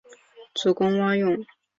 主攻蛙泳。